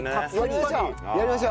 やりましょう。